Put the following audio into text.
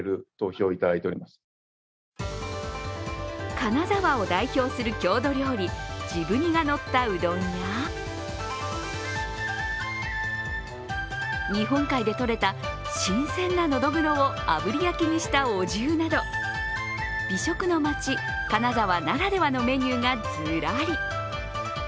金沢を代表する郷土料理治部煮がのったうどんや日本海で取れた新鮮なのどぐろをあぶり焼きにしたお重など、美食のまち・金沢ならではのメニューがずらり。